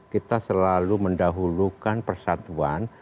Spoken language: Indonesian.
kita selalu mendahulukan persatuan